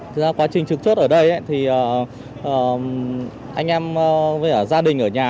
thực ra quá trình trực chốt ở đây thì anh em với gia đình ở nhà